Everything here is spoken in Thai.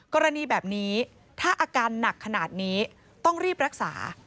กรณีแบบนี้ถ้าอาการหนักขนาดนี้ต้องรีบรักษา